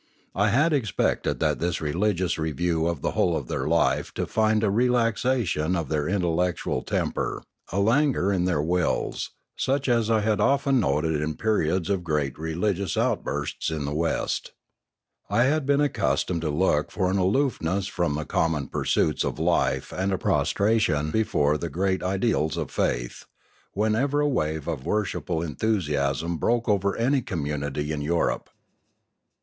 I had expected at this religious review of the whole of their life to find a relaxation of their intellectual temper, a languor in their wills, such as I had often noted in periods of great religious outburst in the West. I had been accustomed to look for an aloofness from the common pursuits of life and a prostration before the great ideals of faith, whenever a wave of worshipful enthusiasm broke over any community in Europe.